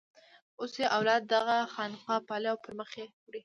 اوس یې اولاده دغه خانقاه پالي او پر مخ یې وړي.